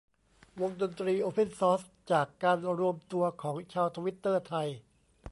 วงดนตรีโอเพ่นซอร์ส จากการรวมตัวของชาวทวิตเตอร์ไทย